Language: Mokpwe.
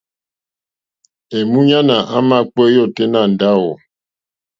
Èmúɲánà àmà kpééyá ôténá ndáwù.